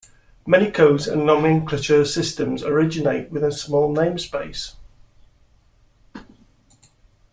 Many codes and nomenclatural systems originate within a small namespace.